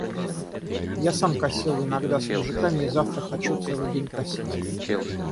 Я сам косил иногда с мужиками и завтра хочу целый день косить.